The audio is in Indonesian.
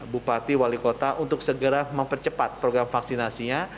bupati wali kota untuk segera mempercepat program vaksinasinya